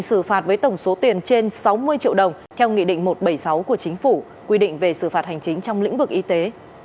xử phạt với tổng số tiền trên sáu mươi triệu đồng theo nghị định một trăm bảy mươi sáu của chính phủ quy định về xử phạt hành chính trong lĩnh vực y tế